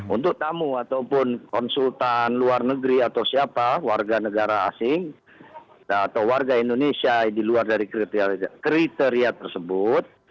untuk tamu ataupun konsultan luar negeri atau siapa warga negara asing atau warga indonesia di luar dari kriteria tersebut